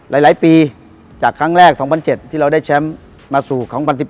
หลายปีจากครั้งแรก๒๐๐๗ที่เราได้แชมป์มาสู่๒๐๑๘